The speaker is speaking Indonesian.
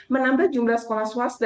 menambah jumlah sekolah swasta